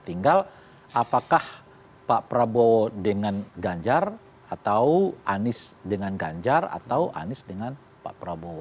tinggal apakah pak prabowo dengan ganjar atau anies dengan ganjar atau anies dengan pak prabowo